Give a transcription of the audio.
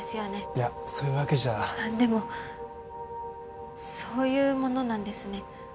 いやそういうわけじゃでもそういうものなんですね